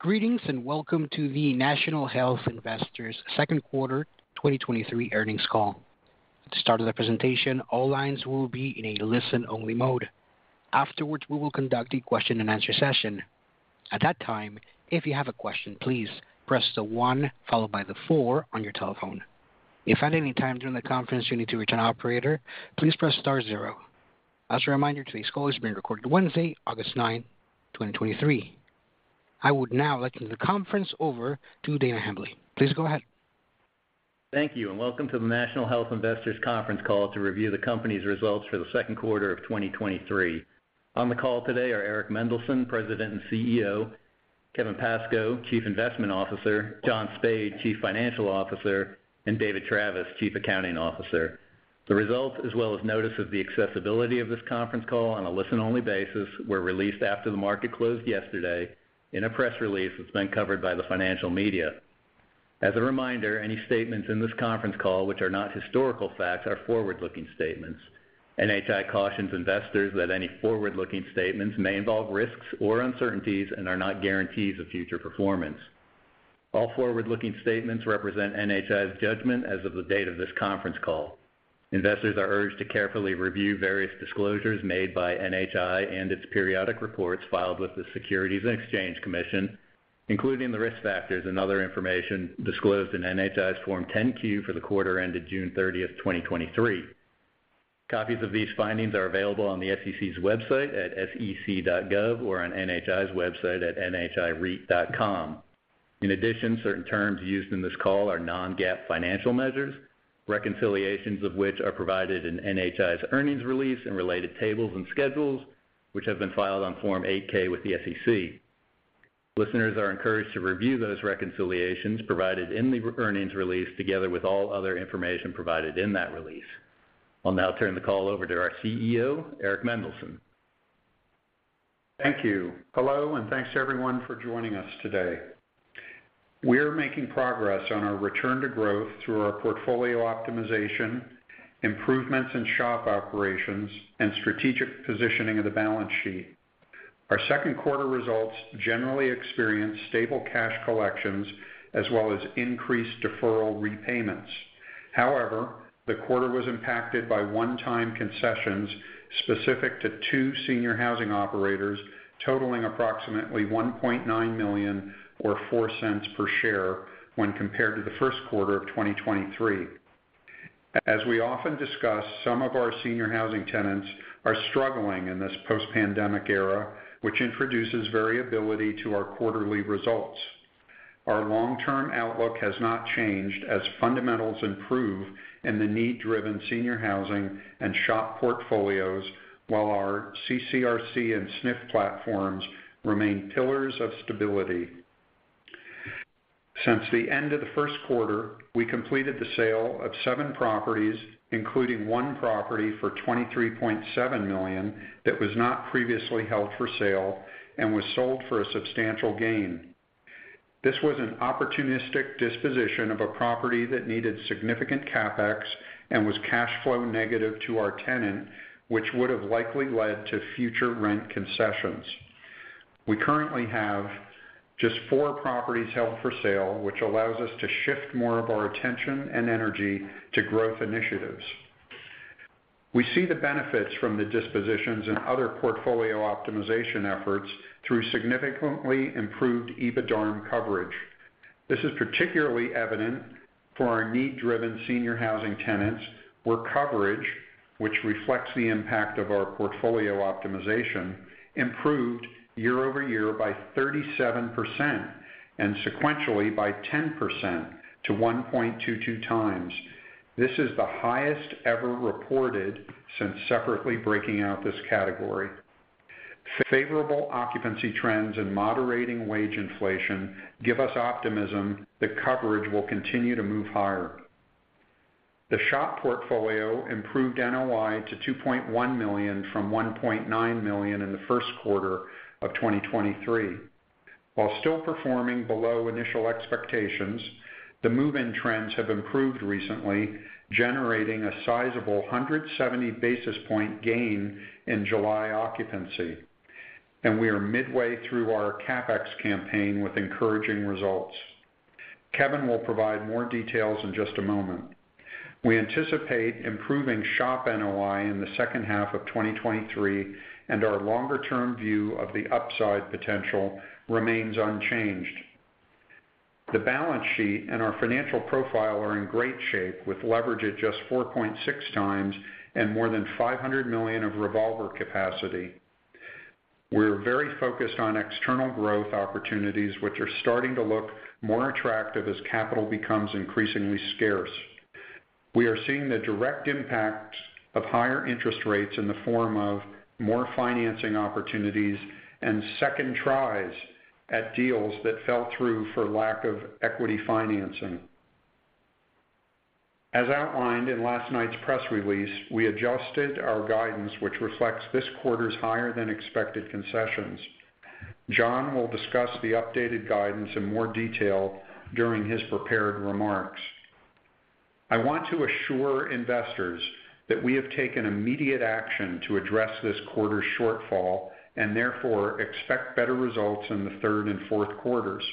Greetings, and welcome to the National Health Investors second quarter 2023 earnings call. At the start of the presentation, all lines will be in a listen-only mode. Afterwards, we will conduct a question-and-answer session. At that time, if you have a question, please press the one followed by the four on your telephone. If at any time during the conference, you need to reach an operator, please press star zero. As a reminder, today's call is being recorded Wednesday, August 9, 2023. I would now like to hand the conference over to Dana Hambly. Please go ahead. Thank you, and welcome to the National Health Investors conference call to review the company's results for the second quarter of 2023. On the call today are Eric Mendelsohn, President and CEO, Kevin Pascoe, Chief Investment Officer, John Spaid, Chief Financial Officer, and David Travis, Chief Accounting Officer. The results, as well as notice of the accessibility of this conference call on a listen-only basis, were released after the market closed yesterday in a press release that's been covered by the financial media. As a reminder, any statements in this conference call, which are not historical facts, are forward-looking statements. NHI cautions investors that any forward-looking statements may involve risks or uncertainties and are not guarantees of future performance. All forward-looking statements represent NHI's judgment as of the date of this conference call. Investors are urged to carefully review various disclosures made by NHI and its periodic reports filed with the Securities and Exchange Commission, including the risk factors and other information disclosed in NHI's Form 10-Q for the quarter ended June 30, 2023. Copies of these findings are available on the SEC's website at sec.gov or on NHI's website at nhireit.com. In addition, certain terms used in this call are non-GAAP financial measures, reconciliations of which are provided in NHI's earnings release and related tables and schedules, which have been filed on Form 8-K with the SEC. Listeners are encouraged to review those reconciliations provided in the earnings release, together with all other information provided in that release. I'll now turn the call over to our CEO, Eric Mendelsohn. Thank you. Hello, thanks to everyone for joining us today. We're making progress on our return to growth through our portfolio optimization, improvements in SHOP operations, and strategic positioning of the balance sheet. Our second quarter results generally experienced stable cash collections as well as increased deferral repayments. However, the quarter was impacted by one-time concessions specific to two senior housing operators, totaling approximately $1.9 million or $0.04 per share when compared to the first quarter of 2023. As we often discuss, some of our senior housing tenants are struggling in this post-pandemic era, which introduces variability to our quarterly results. Our long-term outlook has not changed as fundamentals improve in the need-driven senior housing and SHOP portfolios, while our CCRC and SNF platforms remain pillars of stability. Since the end of the first quarter, we completed the sale of seven properties, including one property for $23.7 million, that was not previously held for sale and was sold for a substantial gain. This was an opportunistic disposition of a property that needed significant CapEx and was cash flow negative to our tenant, which would have likely led to future rent concessions. We currently have just four properties held for sale, which allows us to shift more of our attention and energy to growth initiatives. We see the benefits from the dispositions and other portfolio optimization efforts through significantly improved EBITDARM coverage. This is particularly evident for our need-driven senior housing tenants, where coverage, which reflects the impact of our portfolio optimization, improved year-over-year by 37% and sequentially by 10% to 1.22x. This is the highest ever reported since separately breaking out this category. Favorable occupancy trends and moderating wage inflation give us optimism that coverage will continue to move higher. The SHOP portfolio improved NOI to $2.1 million from $1.9 million in the first quarter of 2023. While still performing below initial expectations, the move-in trends have improved recently, generating a sizable 170 basis point gain in July occupancy. We are midway through our CapEx campaign with encouraging results. Kevin will provide more details in just a moment. We anticipate improving SHOP NOI in the second half of 2023. Our longer-term view of the upside potential remains unchanged. The balance sheet and our financial profile are in great shape, with leverage at just 4.6x and more than $500 million of revolver capacity. We're very focused on external growth opportunities, which are starting to look more attractive as capital becomes increasingly scarce. We are seeing the direct impacts of higher interest rates in the form of more financing opportunities and second tries at deals that fell through for lack of equity financing. As outlined in last night's press release, we adjusted our guidance, which reflects this quarter's higher-than-expected concessions. John will discuss the updated guidance in more detail during his prepared remarks. I want to assure investors that we have taken immediate action to address this quarter's shortfall, therefore, expect better results in the third and fourth quarters.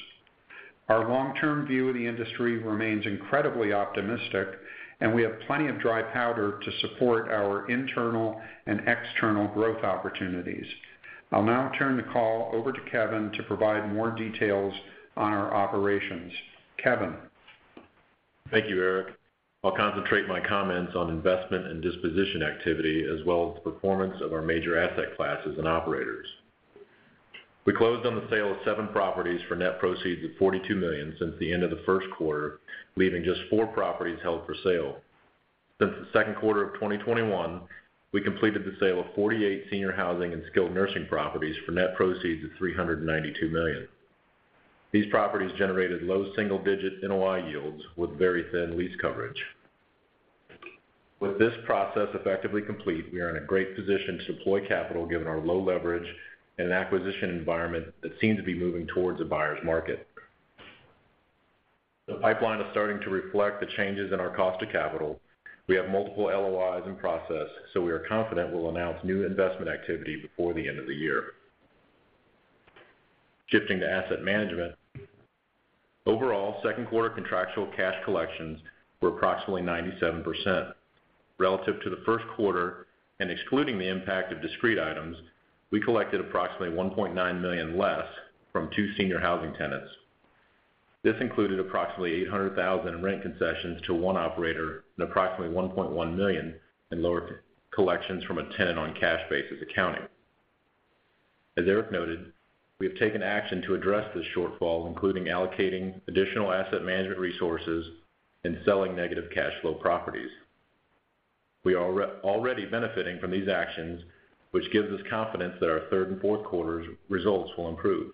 Our long-term view of the industry remains incredibly optimistic, we have plenty of dry powder to support our internal and external growth opportunities. I'll now turn the call over to Kevin to provide more details on our operations. Kevin? Thank you, Eric. I'll concentrate my comments on investment and disposition activity, as well as the performance of our major asset classes and operators. We closed on the sale of 7 properties for net proceeds of $42 million since the end of the first quarter, leaving just 4 properties held for sale. Since the second quarter of 2021, we completed the sale of 48 senior housing and skilled nursing properties for net proceeds of $392 million. These properties generated low single-digit NOI yields with very thin lease coverage. With this process effectively complete, we are in a great position to deploy capital, given our low leverage and an acquisition environment that seems to be moving towards a buyer's market. The pipeline is starting to reflect the changes in our cost of capital. We have multiple LOIs in process, we are confident we'll announce new investment activity before the end of the year. Shifting to asset management. Overall, second-quarter contractual cash collections were approximately 97%. Relative to the first quarter and excluding the impact of discrete items, we collected approximately $1.9 million less from 2 senior housing tenants. This included approximately $800,000 in rent concessions to 1 operator and approximately $1.1 million in lower collections from a tenant on cash basis accounting. As Eric noted, we have taken action to address this shortfall, including allocating additional asset management resources and selling negative cash flow properties. We are already benefiting from these actions, which gives us confidence that our third and fourth quarters results will improve.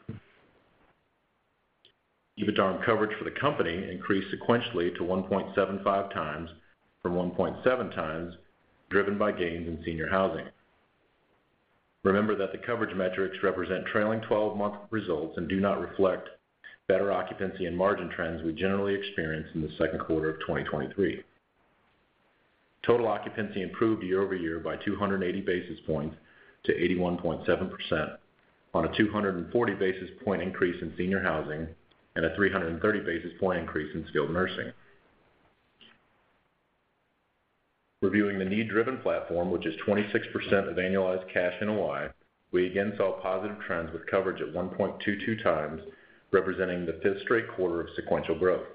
EBITDA coverage for the company increased sequentially to 1.75x from 1.7x, driven by gains in senior housing. Remember that the coverage metrics represent trailing twelve-month results and do not reflect better occupancy and margin trends we generally experience in the second quarter of 2023. Total occupancy improved year-over-year by 280 basis points to 81.7% on a 240 basis point increase in senior housing and a 330 basis point increase in skilled nursing. Reviewing the need-driven platform, which is 26% of annualized cash NOI, we again saw positive trends with coverage at 1.22x, representing the 5th straight quarter of sequential growth.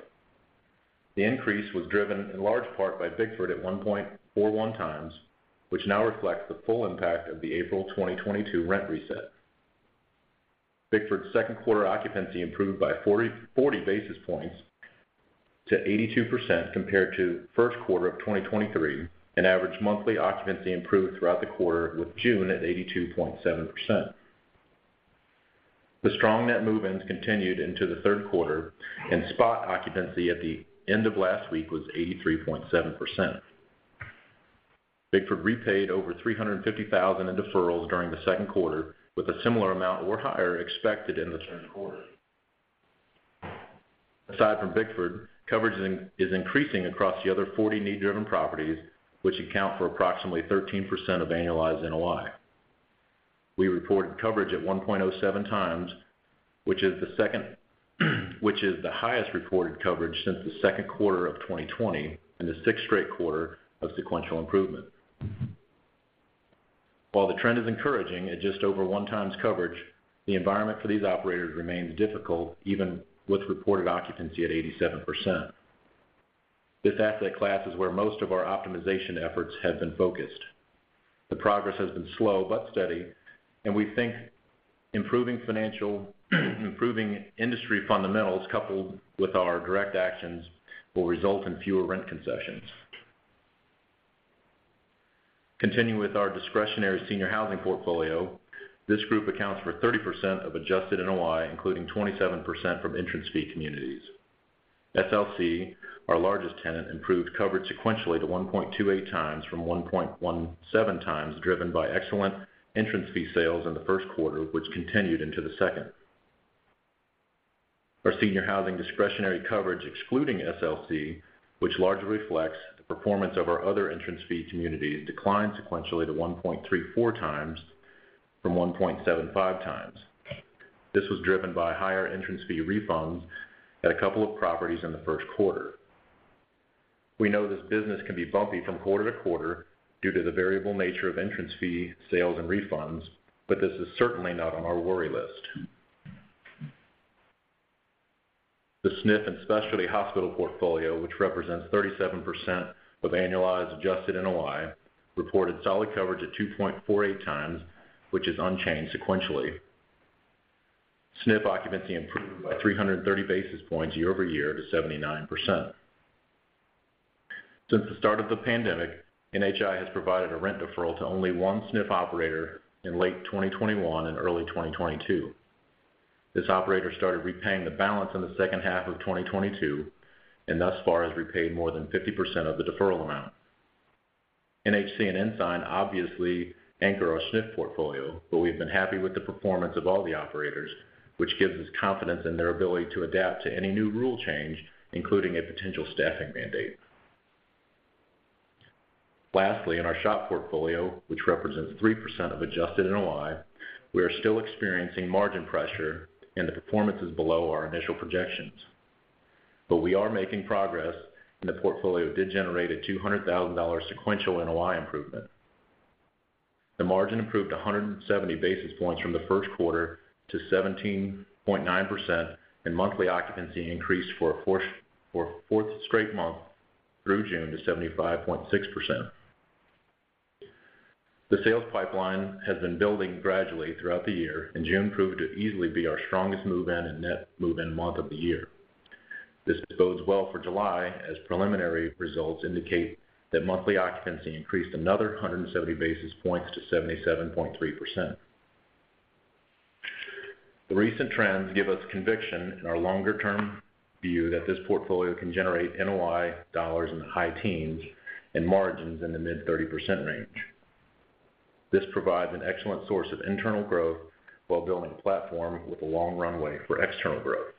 The increase was driven in large part by Bickford at 1.41x, which now reflects the full impact of the April 2022 rent reset. Bickford's 2nd quarter occupancy improved by 40 basis points to 82% compared to 1st quarter of 2023, and average monthly occupancy improved throughout the quarter, with June at 82.7%. The strong net move-ins continued into the 3rd quarter, and spot occupancy at the end of last week was 83.7%. Bickford repaid over $350,000 in deferrals during the 2nd quarter, with a similar amount or higher expected in the 3rd quarter. Aside from Bickford, coverage is increasing across the other 40 need-driven properties, which account for approximately 13% of annualized NOI. We reported coverage at 1.07 times, which is the highest reported coverage since the second quarter of 2020, and the 6th straight quarter of sequential improvement. While the trend is encouraging at just over 1 times coverage, the environment for these operators remains difficult, even with reported occupancy at 87%. This asset class is where most of our optimization efforts have been focused. The progress has been slow but steady, and we think improving financial, improving industry fundamentals, coupled with our direct actions, will result in fewer rent concessions. Continuing with our discretionary senior housing portfolio, this group accounts for 30% of adjusted NOI, including 27% from entrance fee communities. SLC, our largest tenant, improved coverage sequentially to 1.28 times from 1.17 times, driven by excellent entrance fee sales in the first quarter, which continued into the second. Our senior housing discretionary coverage, excluding SLC, which largely reflects the performance of our other entrance fee communities, declined sequentially to 1.34 times from 1.75 times. This was driven by higher entrance fee refunds at a couple of properties in the first quarter. We know this business can be bumpy from quarter to quarter due to the variable nature of entrance fee, sales, and refunds, but this is certainly not on our worry list. The SNF and specialty hospital portfolio, which represents 37% of annualized adjusted NOI, reported solid coverage at 2.48 times, which is unchanged sequentially. SNF occupancy improved by 330 basis points year-over-year to 79%. Since the start of the pandemic, NHI has provided a rent deferral to only one SNF operator in late 2021 and early 2022. This operator started repaying the balance in the second half of 2022. Thus far has repaid more than 50% of the deferral amount. NHC and Ensign obviously anchor our SNF portfolio, but we've been happy with the performance of all the operators, which gives us confidence in their ability to adapt to any new rule change, including a potential staffing mandate. Lastly, in our SHOP portfolio, which represents 3% of adjusted NOI, we are still experiencing margin pressure, and the performance is below our initial projections. We are making progress, and the portfolio did generate a $200,000 sequential NOI improvement. The margin improved 170 basis points from the first quarter to 17.9%, and monthly occupancy increased for a fourth straight month through June to 75.6%. The sales pipeline has been building gradually throughout the year, June proved to easily be our strongest move-in and net move-in month of the year. This bodes well for July, as preliminary results indicate that monthly occupancy increased another 170 basis points to 77.3%. The recent trends give us conviction in our longer-term view that this portfolio can generate NOI dollars in the high teens and margins in the mid-30% range. This provides an excellent source of internal growth while building a platform with a long runway for external growth.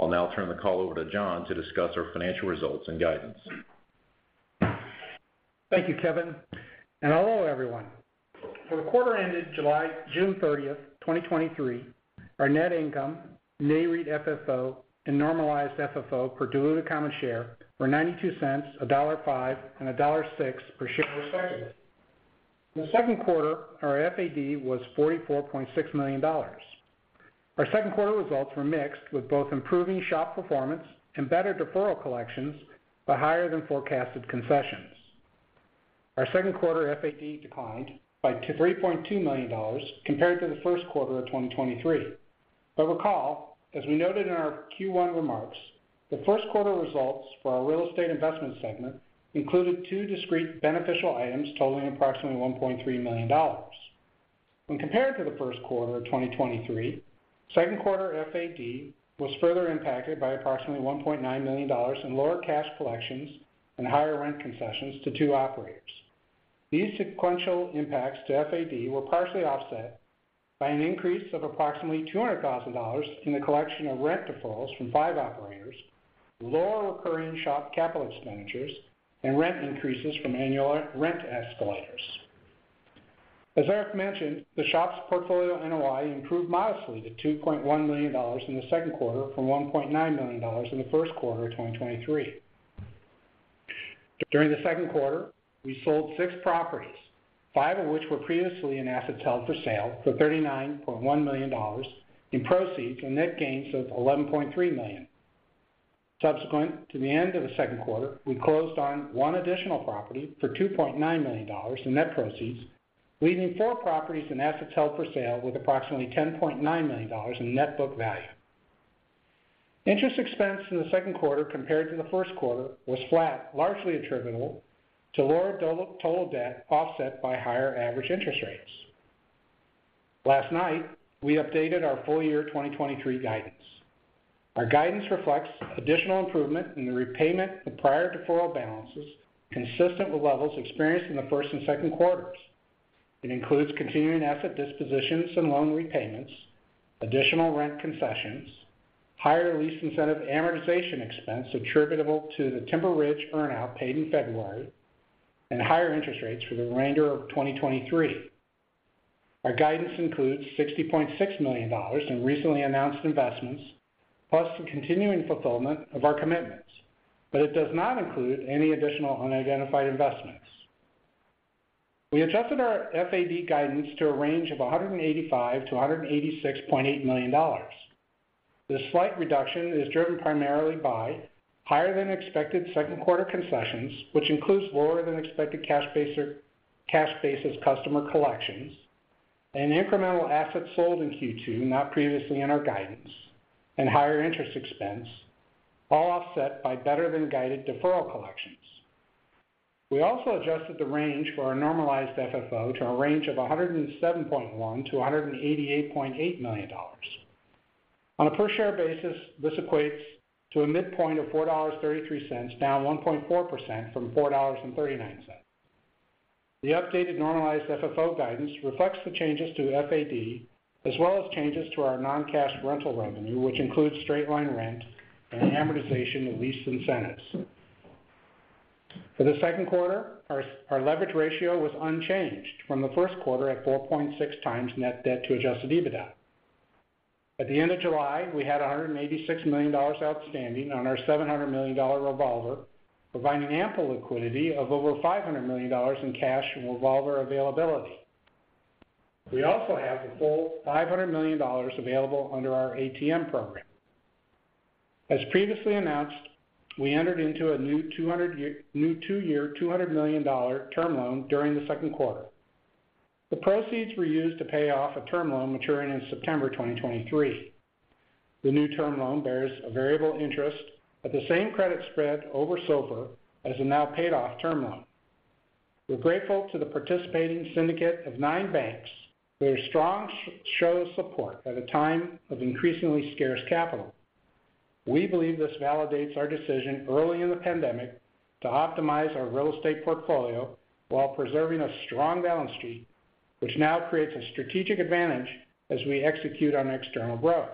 I'll now turn the call over to John to discuss our financial results and guidance. Thank you, Kevin, and hello, everyone. For the quarter ended June 30, 2023, our net income, NAREIT, FFO, and normalized FFO per diluted common share were $0.92, $1.05, and $1.06 per share, respectively. In the second quarter, our FAD was $44.6 million. Our second quarter results were mixed, with both improving SHOP performance and better deferral collections, but higher than forecasted concessions. Our second quarter FAD declined by $3.2 million compared to the first quarter of 2023. Recall, as we noted in our Q1 remarks, the first quarter results for our real estate investment segment included two discrete beneficial items totaling approximately $1.3 million. When compared to the first quarter of 2023, second quarter FAD was further impacted by approximately $1.9 million in lower cash collections and higher rent concessions to 2 operators. These sequential impacts to FAD were partially offset by an increase of approximately $200,000 in the collection of rent deferrals from 5 operators, lower recurring SHOP CapEx, and rent increases from annual rent escalators. As Eric mentioned, the SHOP portfolio NOI improved modestly to $2.1 million in the second quarter from $1.9 million in the first quarter of 2023. During the second quarter, we sold 6 properties, 5 of which were previously in assets held for sale for $39.1 million in proceeds and net gains of $11.3 million. Subsequent to the end of the second quarter, we closed on one additional property for $2.9 million in net proceeds, leaving four properties and assets held for sale with approximately $10.9 million in net book value. Interest expense in the second quarter compared to the first quarter was flat, largely attributable to lower total debt, offset by higher average interest rates. Last night, we updated our full year 2023 guidance. Our guidance reflects additional improvement in the repayment of prior deferral balances, consistent with levels experienced in the first and second quarters. It includes continuing asset dispositions and loan repayments, additional rent concessions, higher lease incentive amortization expense attributable to the Timber Ridge earn-out paid in February, and higher interest rates for the remainder of 2023. Our guidance includes $60.6 million in recently announced investments, plus the continuing fulfillment of our commitments, it does not include any additional unidentified investments. We adjusted our FAD guidance to a range of $185 million-$186.8 million. This slight reduction is driven primarily by higher than expected second quarter concessions, which includes lower than expected cash-based, cash-basis customer collections and incremental assets sold in Q2, not previously in our guidance, and higher interest expense, all offset by better than guided deferral collections. We also adjusted the range for our normalized FFO to a range of $107.1 million-$188.8 million. On a per share basis, this equates to a midpoint of $4.33, down 1.4% from $4.39. The updated normalized FFO guidance reflects the changes to FAD, as well as changes to our non-cash rental revenue, which includes straight-line rent and amortization of lease incentives. For the second quarter, our leverage ratio was unchanged from the first quarter at 4.6x net debt to adjusted EBITDA. At the end of July, we had $186 million outstanding on our $700 million revolver, providing ample liquidity of over $500 million in cash and revolver availability. We also have the full $500 million available under our ATM program. As previously announced, we entered into a new two-year, $200 million term loan during the second quarter. The proceeds were used to pay off a term loan maturing in September 2023. The new term loan bears a variable interest at the same credit spread over SOFR as the now paid off term loan. We're grateful to the participating syndicate of nine banks for their strong show of support at a time of increasingly scarce capital. We believe this validates our decision early in the pandemic to optimize our real estate portfolio while preserving a strong balance sheet, which now creates a strategic advantage as we execute on external growth.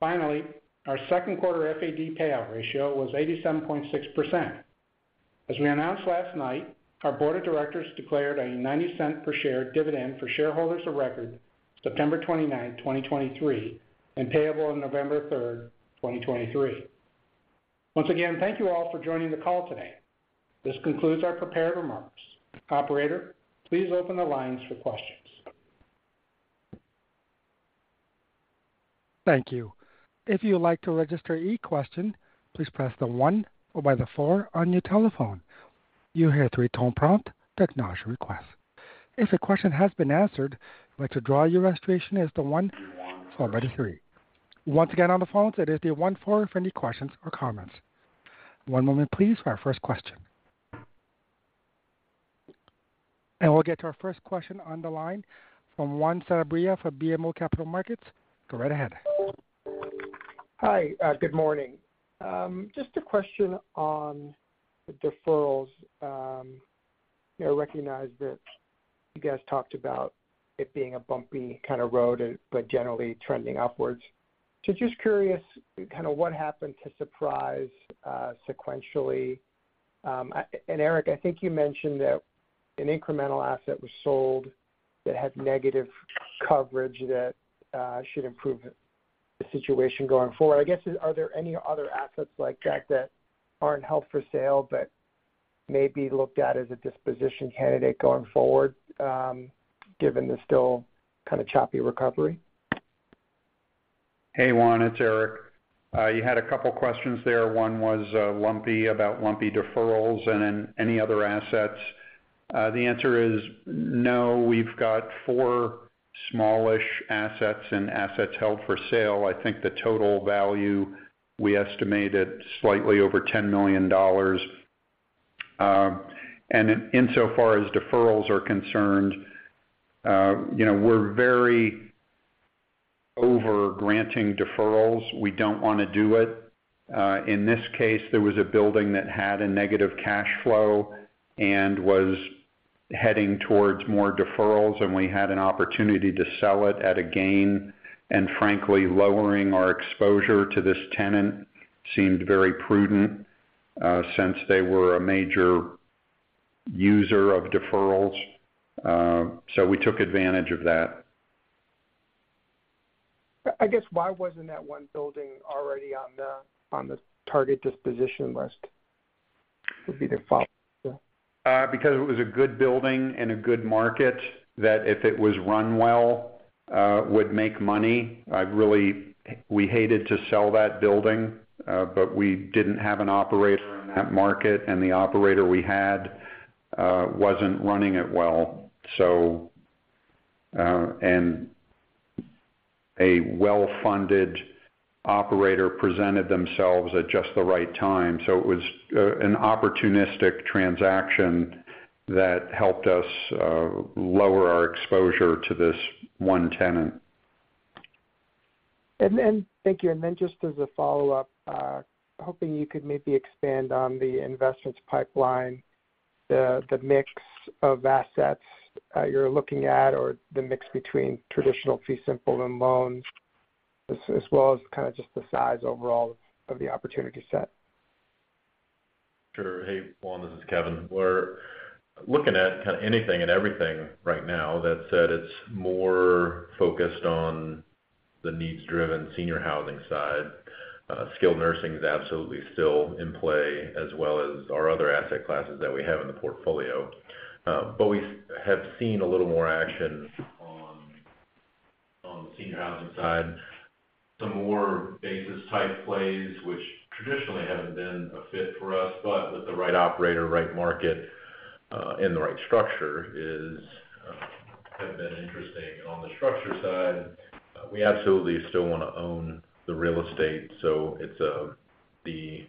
Finally, our second quarter FAD payout ratio was 87.6%. As we announced last night, our board of directors declared a $0.90 per share dividend for shareholders of record, September 29, 2023, and payable on November 3, 2023. Once again, thank you all for joining the call today. This concludes our prepared remarks. Operator, please open the lines for questions. Thank you. If you would like to register a question, please press the one followed by the four on your telephone. You'll hear a three-tone prompt to acknowledge your request. If the question has been answered, you may withdraw your registration as the one followed by three. Once again, on the phones, it is the one, four for any questions or comments. One moment, please, for our first question. We'll get to our first question on the line from Juan Sanabria of BMO Capital Markets. Go right ahead. Hi, good morning. Just a question on the deferrals. I recognize that you guys talked about it being a bumpy kind of road, but generally trending upwards. Just curious, kind of what happened to surprise sequentially? And Eric, I think you mentioned that an incremental asset was sold that had negative coverage that should improve the situation going forward. I guess, are there any other assets like that that aren't held for sale, but may be looked at as a disposition candidate going forward, given the still kind of choppy recovery? Hey, Juan, it's Eric. You had a couple questions there. One was, lumpy, about lumpy deferrals and then any other assets. The answer is no. We've got four smallish assets and assets held for sale. I think the total value, we estimate it slightly over $10 million. Insofar as deferrals are concerned, you know, we're very over granting deferrals. We don't want to do it. In this case, there was a building that had a negative cash flow and was heading towards more deferrals, and we had an opportunity to sell it at a gain, and frankly, lowering our exposure to this tenant seemed very prudent, since they were a major user of deferrals. We took advantage of that. I, I guess, why wasn't that one building already on the, on the target disposition list? Would be the follow-up, yeah. Because it was a good building and a good market, that if it was run well, would make money. We hated to sell that building, but we didn't have an operator in that market, and the operator we had wasn't running it well. A well-funded operator presented themselves at just the right time. It was an opportunistic transaction that helped us lower our exposure to this one tenant. Thank you. Just as a follow-up, hoping you could maybe expand on the investments pipeline, the, the mix of assets, you're looking at, or the mix between traditional fee simple and loans, as well as kind of just the size overall of the opportunity set? Sure. Hey, Juan, this is Kevin. We're looking at kind of anything and everything right now. That said, it's more focused on the needs-driven senior housing side. Skilled nursing is absolutely still in play, as well as our other asset classes that we have in the portfolio. We have seen a little more action on, on the senior housing side. Some more basis-type plays, which traditionally haven't been a fit for us, but with the right operator, right market, and the right structure is have been interesting. On the structure side, we absolutely still want to own the real estate, so it's the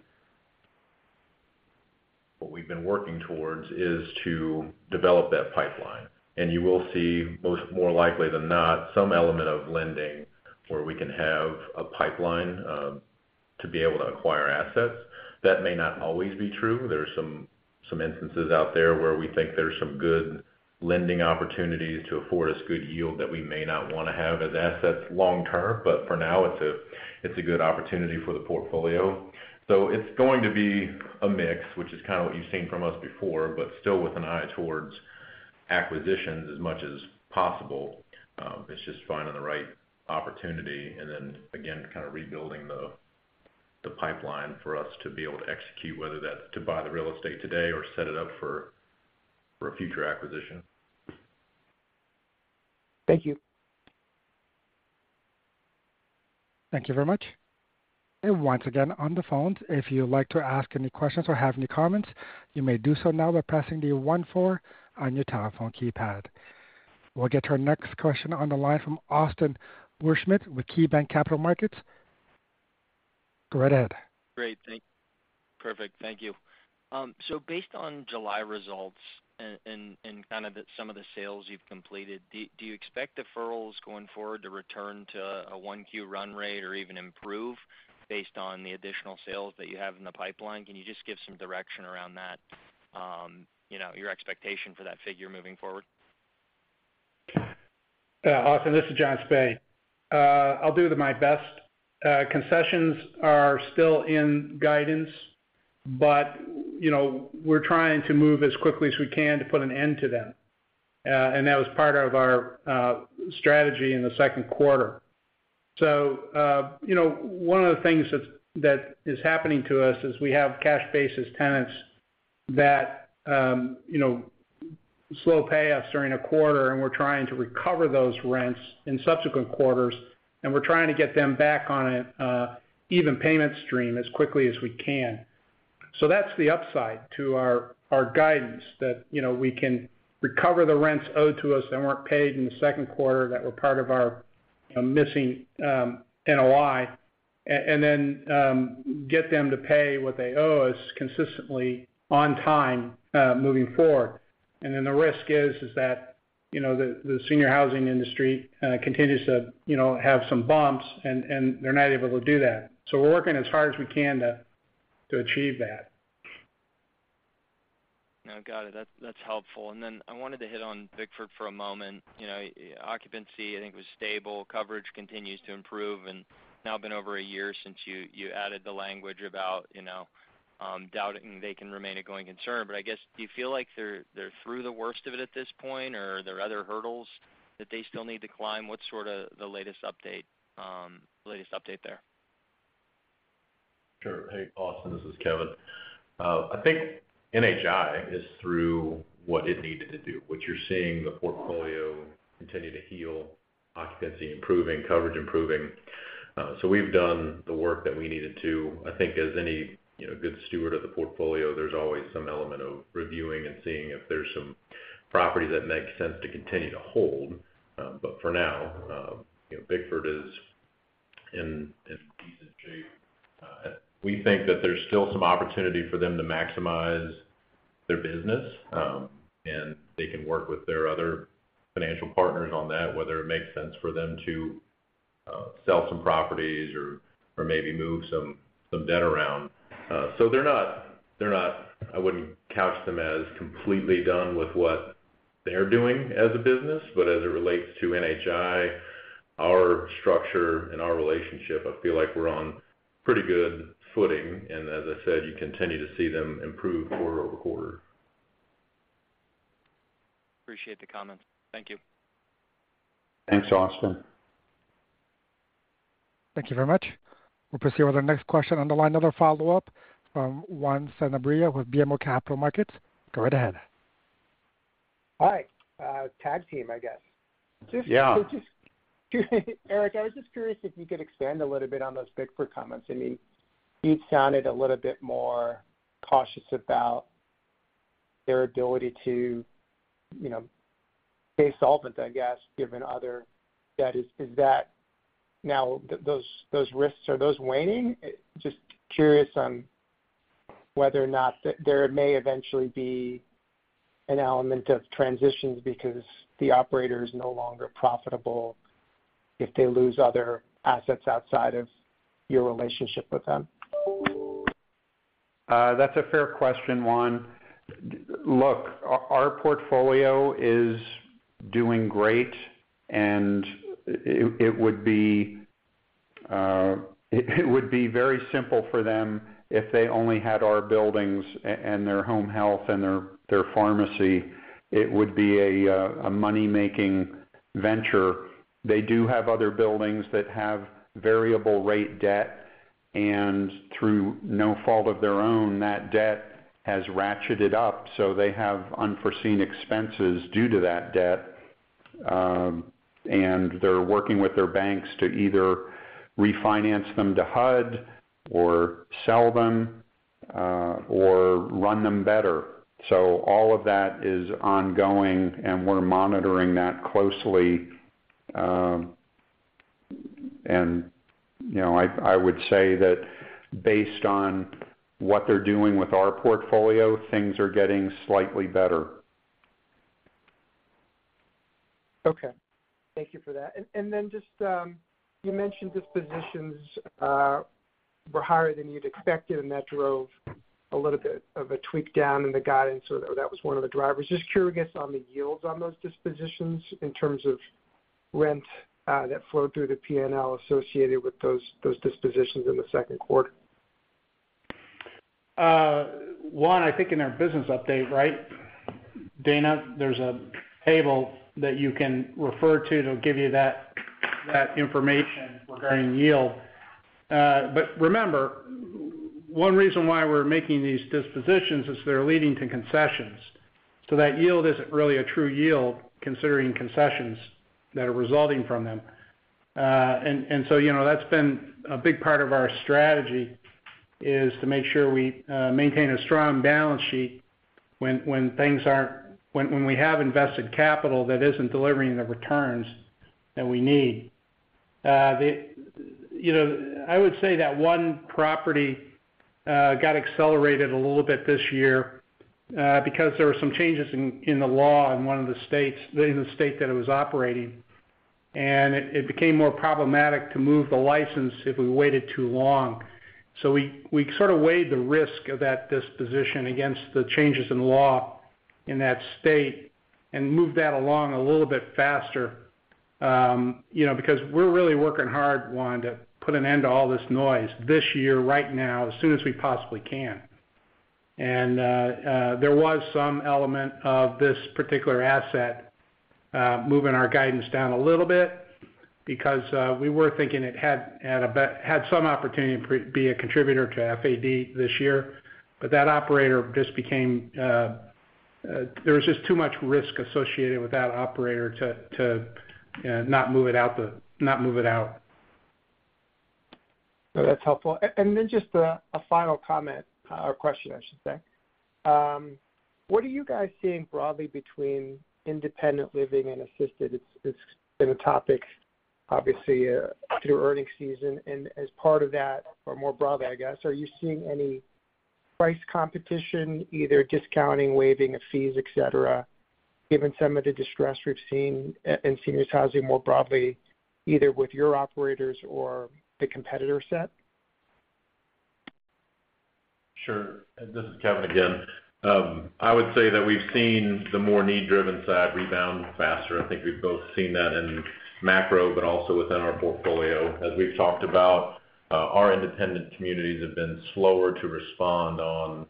What we've been working towards is to develop that pipeline, and you will see, most more likely than not, some element of lending where we can have a pipeline to be able to acquire assets. That may not always be true. There are some, some instances out there where we think there's some good lending opportunities to afford us good yield that we may not want to have as assets long term, but for now, it's a, it's a good opportunity for the portfolio. It's going to be a mix, which is kind of what you've seen from us before, but still with an eye towards acquisitions as much as possible. It's just finding the right opportunity and then again, kind of rebuilding the, the pipeline for us to be able to execute, whether that's to buy the real estate today or set it up for, for a future acquisition. Thank you. Thank you very much. Once again, on the phones, if you'd like to ask any questions or have any comments, you may do so now by pressing the 1, 4 on your telephone keypad. We'll get to our next question on the line from Austin Wurschmidt with KeyBanc Capital Markets. Go right ahead. Great, perfect. Thank you. Based on July results and kind of some of the sales you've completed, do you expect deferrals going forward to return to a 1Q run rate or even improve based on the additional sales that you have in the pipeline? Can you just give some direction around that, you know, your expectation for that figure moving forward? Austin, this is John Spaid. I'll do my best. Concessions are still in guidance, you know, we're trying to move as quickly as we can to put an end to them. That was part of our strategy in the second quarter. You know, one of the things that's, that is happening to us is we have cash-basis tenants that, you know, slow payoffs during a quarter, and we're trying to recover those rents in subsequent quarters, and we're trying to get them back on a even payment stream as quickly as we can. That's the upside to our, our guidance that, you know, we can recover the rents owed to us that weren't paid in the second quarter that were part of our missing NOI, and then get them to pay what they owe us consistently on time moving forward. Then the risk is, is that, you know, the senior housing industry continues to, you know, have some bumps, and they're not able to do that. We're working as hard as we can to, to achieve that. No, got it. That's, that's helpful. Then I wanted to hit on Bickford for a moment. You know, occupancy, I think, was stable. Coverage continues to improve, and now been over a year since you, you added the language about, you know, doubting they can remain a going concern. I guess, do you feel like they're, they're through the worst of it at this point, or are there other hurdles that they still need to climb? What's sort of the latest update, latest update there? Sure. Hey, Austin, this is Kevin. I think NHI is through what it needed to do, which you're seeing the portfolio continue to heal, occupancy improving, coverage improving. We've done the work that we needed to. I think as any, you know, good steward of the portfolio, there's always some element of reviewing and seeing if there's some property that makes sense to continue to hold. For now, you know, Bickford is in, in decent shape. We think that there's still some opportunity for them to maximize their business, they can work with their other financial partners on that, whether it makes sense for them to sell some properties or, or maybe move some, some debt around. I wouldn't couch them as completely done with what they're doing as a business. As it relates to NHI, our structure and our relationship, I feel like we're on pretty good footing. As I said, you continue to see them improve quarter-over-quarter. Appreciate the comments. Thank you. Thanks, Austin. Thank you very much. We'll proceed with our next question on the line, another follow-up from Juan Sanabria with BMO Capital Markets. Go right ahead. Hi, tag team, I guess. Yeah. Just, Eric, I was just curious if you could expand a little bit on those Bickford comments. I mean, you sounded a little bit more cautious about their ability to, you know, stay solvent, I guess, given other debt. Is, is that now those, those risks, are those waning? Just curious on whether or not there may eventually be an element of transitions because the operator is no longer profitable if they lose other assets outside of your relationship with them. That's a fair question, Juan. Look, our portfolio is doing great, and it, it would be, it would be very simple for them if they only had our buildings and their home health and their, their pharmacy. It would be a, a money-making venture. They do have other buildings that have variable rate debt, and through no fault of their own, that debt has ratcheted up, so they have unforeseen expenses due to that debt. And they're working with their banks to either refinance them to HUD or sell them, or run them better. All of that is ongoing, and we're monitoring that closely. And, you know, I, I would say that based on what they're doing with our portfolio, things are getting slightly better. Okay. Thank you for that. Then just, you mentioned dispositions, were higher than you'd expected, and that drove a little bit of a tweak down in the guidance. That was one of the drivers. Just curious on the yields on those dispositions in terms of rent that flowed through the PNL associated with those, those dispositions in the second quarter? Juan, I think in our business update, right, Dana? There's a table that you can refer to that'll give you that, that information regarding yield. Remember, one reason why we're making these dispositions is they're leading to concessions. That yield isn't really a true yield, considering concessions that are resulting from them. You know, that's been a big part of our strategy. Is to make sure we maintain a strong balance sheet when we have invested capital that isn't delivering the returns that we need. The, you know, I would say that one property got accelerated a little bit this year because there were some changes in, in the law in one of the states, in the state that it was operating, and it, it became more problematic to move the license if we waited too long. We, we sort of weighed the risk of that disposition against the changes in law in that state and moved that along a little bit faster, you know, because we're really working hard, Juan, to put an end to all this noise this year, right now, as soon as we possibly can. There was some element of this particular asset moving our guidance down a little bit because we were thinking it had some opportunity to be a contributor to FAD this year. That operator just became. There was just too much risk associated with that operator to not move it out. No, that's helpful. Then just a final comment, or question, I should say. What are you guys seeing broadly between independent living and assisted? It's, it's been a topic, obviously, through earnings season. As part of that, or more broadly, I guess, are you seeing any price competition, either discounting, waiving of fees, et cetera, given some of the distress we've seen in seniors housing more broadly, either with your operators or the competitor set? Sure. This is Kevin again. I would say that we've seen the more need-driven side rebound faster. I think we've both seen that in macro, but also within our portfolio. As we've talked about, our independent communities have been slower to respond on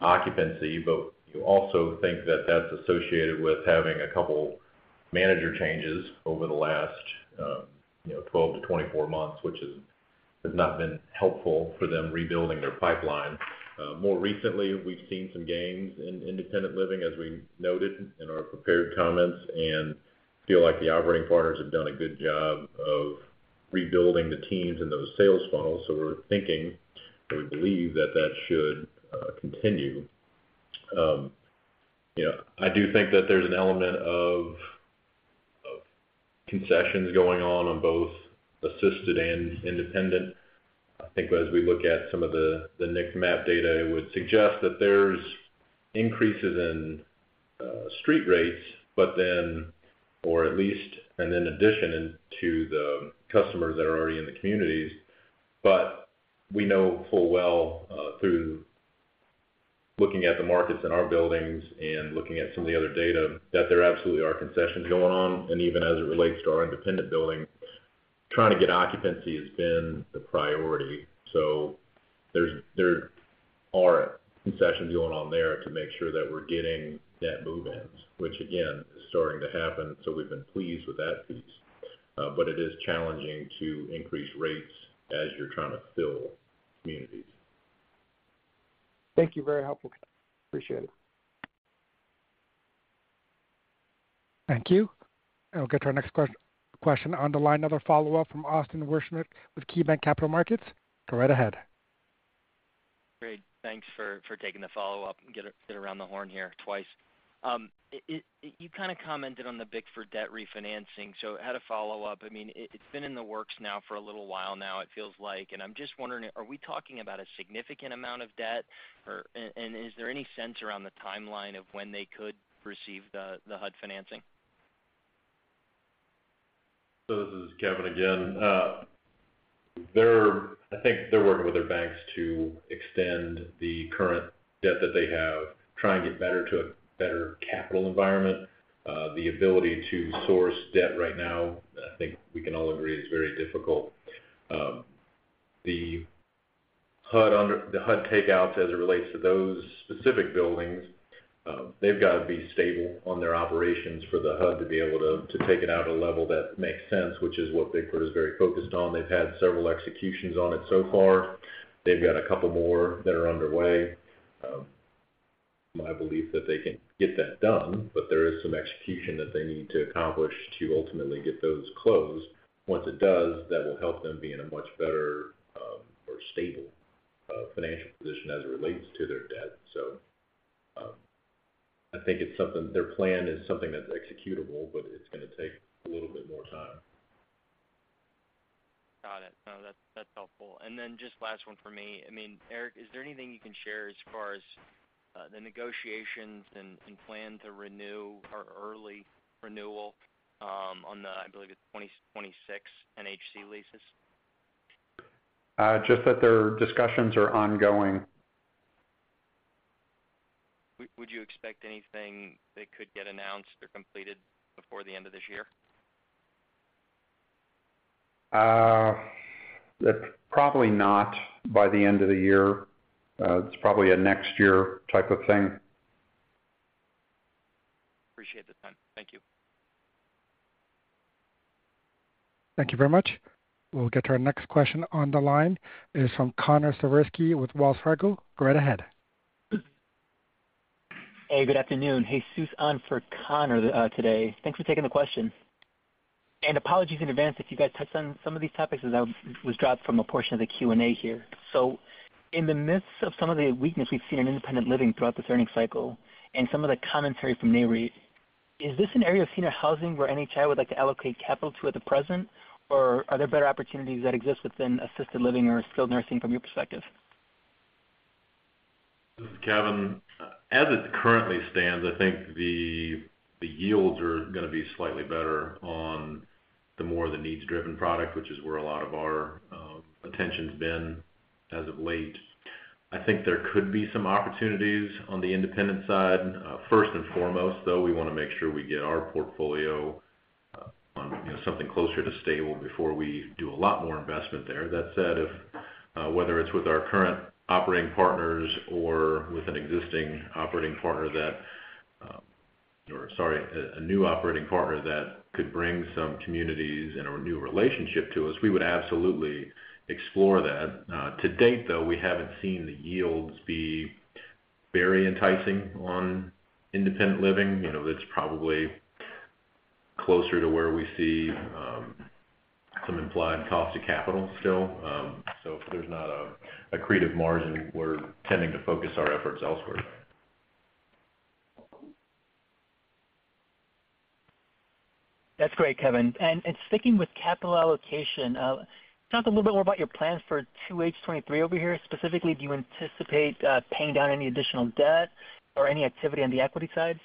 occupancy, but you also think that that's associated with having a couple manager changes over the last, you know, 12 to 24 months, which has not been helpful for them rebuilding their pipeline. More recently, we've seen some gains in independent living, as we noted in our prepared comments, and feel like the operating partners have done a good job of rebuilding the teams in those sales funnels. We're thinking, or we believe that that should continue. You know, I do think that there's an element of, of concessions going on on both assisted and independent. I think as we look at some of the, the NIC MAP data, it would suggest that there's increases in street rates, but then, or at least and in addition to the customers that are already in the communities. We know full well, through looking at the markets in our buildings and looking at some of the other data, that there absolutely are concessions going on. Even as it relates to our independent buildings, trying to get occupancy has been the priority. There's, there are concessions going on there to make sure that we're getting net move-ins, which again, is starting to happen, so we've been pleased with that piece. But it is challenging to increase rates as you're trying to fill communities. Thank you. Very helpful. Appreciate it. Thank you. I'll get to our next question on the line, another follow-up from Austin Wierschmidt with KeyBanc Capital Markets. Go right ahead. Great. Thanks for, for taking the follow-up and get, get around the horn here twice. You kind of commented on the Bickford debt refinancing, so I had a follow-up. I mean, it's been in the works now for a little while now, it feels like. I'm just wondering, are we talking about a significant amount of debt? Is there any sense around the timeline of when they could receive the HUD financing? This is Kevin again. I think they're working with their banks to extend the current debt that they have, try and get better to a better capital environment. The ability to source debt right now, I think we can all agree, is very difficult. The HUD takeouts as it relates to those specific buildings, they've got to be stable on their operations for the HUD to be able to, to take it out a level that makes sense, which is what Bickford is very focused on. They've had several executions on it so far. They've got a couple more that are underway. My belief that they can get that done, but there is some execution that they need to accomplish to ultimately get those closed. Once it does, that will help them be in a much better, or stable, financial position as it relates to their debt. I think it's something... Their plan is something that's executable, but it's gonna take a little bit more time. Got it. No, that's, that's helpful. Then just last one for me. I mean, Eric, is there anything you can share as far as the negotiations and plan to renew or early renewal on the, I believe, it's 2026 NHC leases? Just that their discussions are ongoing. Would, would you expect anything that could get announced or completed before the end of this year? Probably not by the end of the year. It's probably a next year type of thing. Appreciate the time. Thank you. Thank you very much. We'll get to our next question on the line. It is from Connor Siversky with Wells Fargo. Go right ahead. Hey, good afternoon. Hey, Sue's on for Connor today. Thanks for taking the question. Apologies in advance if you guys touched on some of these topics, as I was dropped from a portion of the Q&A here. In the midst of some of the weakness we've seen in independent living throughout this earnings cycle and some of the commentary from NAREIT, is this an area of senior housing where NHI would like to allocate capital to at the present? Are there better opportunities that exist within assisted living or skilled nursing from your perspective? This is Kevin. As it currently stands, I think the, the yields are gonna be slightly better on the more the needs-driven product, which is where a lot of our attention's been as of late. I think there could be some opportunities on the independent side. First and foremost, though, we wanna make sure we get our portfolio on, you know, something closer to stable before we do a lot more investment there. That said, if, whether it's with our current operating partners or with an existing operating partner that, or sorry, a new operating partner that could bring some communities and a new relationship to us, we would absolutely explore that. To date, though, we haven't seen the yields be very enticing on independent living. You know, that's probably closer to where we see some implied cost to capital still. If there's not a, a creative margin, we're tending to focus our efforts elsewhere. That's great, Kevin. sticking with capital allocation, talk a little bit more about your plans for 2H 2023 over here. Specifically, do you anticipate paying down any additional debt or any activity on the equity side?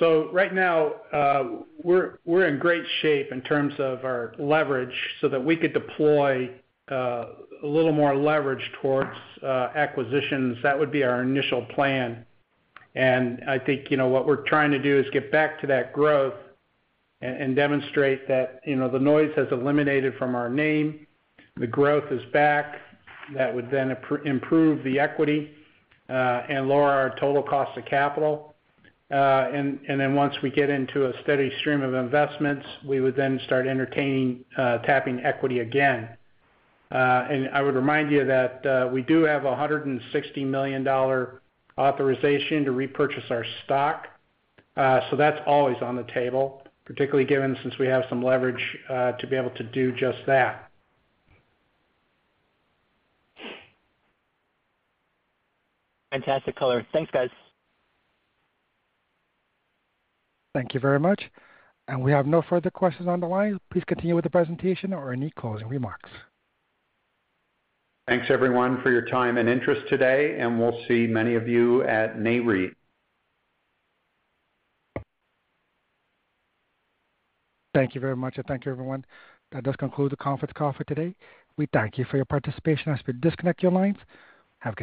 Right now, we're in great shape in terms of our leverage, so that we could deploy a little more leverage towards acquisitions. That would be our initial plan. I think, you know, what we're trying to do is get back to that growth and demonstrate that, you know, the noise has eliminated from our name, the growth is back. That would then improve the equity and lower our total cost to capital. Then once we get into a steady stream of investments, we would then start entertaining tapping equity again. I would remind you that we do have a $160 million authorization to repurchase our stock, so that's always on the table, particularly given since we have some leverage to be able to do just that. Fantastic color. Thanks, guys. Thank you very much, and we have no further questions on the line. Please continue with the presentation or any closing remarks. Thanks, everyone, for your time and interest today, and we'll see many of you at NAREIT. Thank you very much, and thank you, everyone. That does conclude the conference call for today. We thank you for your participation. As we disconnect your lines, have a good day.